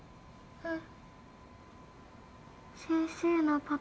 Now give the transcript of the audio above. うん。